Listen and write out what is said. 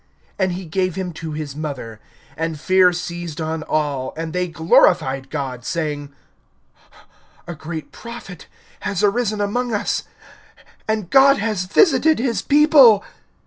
And he gave him to his mother. (16)And fear seized on all; and they glorified God, saying: A great prophet has arisen among us; and, God has visited his people.